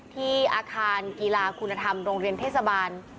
ที่อาคารกีฬาคุณธรรมโรงเรียนเทศบาล